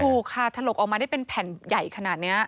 ถูกค่ะถลกออกมาได้เป็นแผ่นใหญ่ขนาดนี้